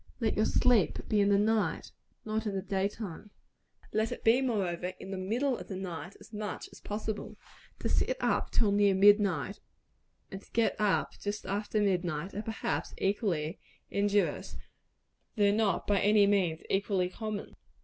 Let your sleep be in the night; not in the day time. Let it be, moreover, in the middle of the night, as much as possible. To sit up till near midnight, and to get up just after midnight, are perhaps equally injurious, though not by any means equally common.